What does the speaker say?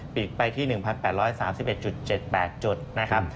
ปีกไปที่๑๘๓๑๗๘จุดนะครับ